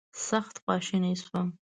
سخت خواشینی شوم.